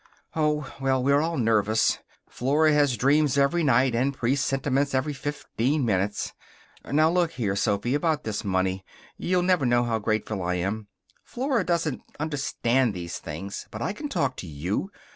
"Oh, well, we're all nervous. Flora has dreams every night and presentiments every fifteen minutes. Now, look here, Sophy. About this money. You'll never know how grateful I am. Flora doesn't understand these things, but I can talk to you.